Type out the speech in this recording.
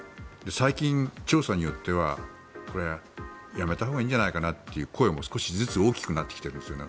最近、調査によってはこれはやめたほうがいいんじゃないかなという声も少しずつ大きくなってきているんです。